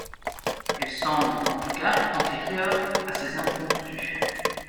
Elles semblent, en tout cas, antérieures à ses impromptus.